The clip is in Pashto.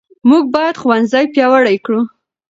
موږ باید ښوونځي پیاوړي کړو.